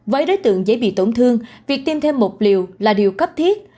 với đối tượng dễ bị tổn thương việc tiêm thêm một liều là điều cấp thiết